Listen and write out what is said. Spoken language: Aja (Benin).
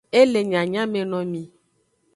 E le nyanyamenomi.